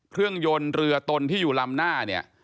เครื่องยนต์เรือตนที่อยู่ลำหน้าเนี่ย